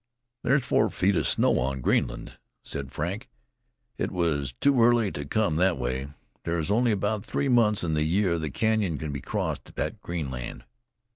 "There's four feet of snow on Greenland," said Frank. "It was too early to come that way. There's only about three months in the year the Canyon can be crossed at Greenland."